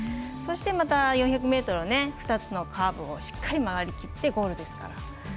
そして、また４００ｍ２つのカーブをしっかり曲がりきってゴールですから。